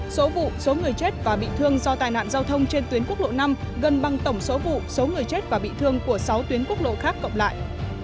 số vụ số người chết và bị thương do tai nạn giao thông trên tuyến quốc lộ năm gần bằng tổng số vụ số người chết và bị thương của sáu tuyến quốc lộ khác cộng lại